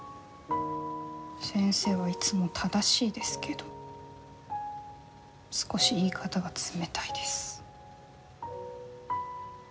先生はいつも正しいですけど少し言い方が冷たいです。